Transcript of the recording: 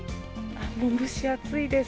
もう、蒸し暑いです。